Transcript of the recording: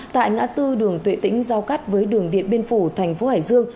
tại ngã tư đường tuệ tĩnh giao cắt với đường điện biên phủ thành phố hải dương